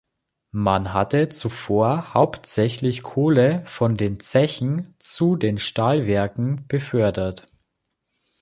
Man hatte zuvor hauptsächlich Kohle von den Zechen zu den Stahlwerken befördert.